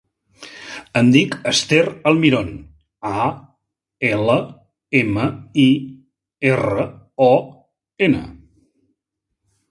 Em dic Esther Almiron: a, ela, ema, i, erra, o, ena.